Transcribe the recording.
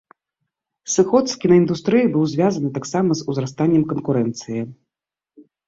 Сыход з кінаіндустрыі быў звязаны таксама з узрастаннем канкурэнцыі.